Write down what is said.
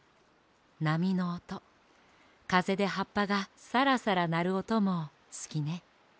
なみのおとかぜではっぱがサラサラなるおともすきね。